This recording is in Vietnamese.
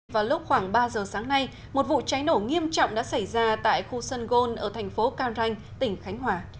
vào lúc khoảng ba giờ sáng nay một vụ cháy nổ nghiêm trọng đã xảy ra tại khu sân gôn ở thành phố cam ranh tỉnh khánh hòa